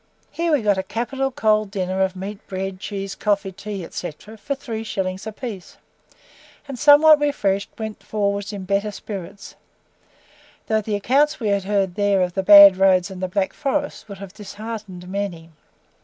Here we got a capital cold dinner of meat, bread, cheese, coffee, tea, &c., for three shillings a piece, and, somewhat refreshed, went forwards in better spirits, though the accounts we heard there of the bad roads in the Black Forest would have disheartened many.